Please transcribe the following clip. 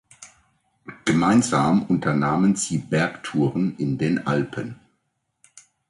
Gemeinsam unternahmen sie Bergtouren in den Alpen.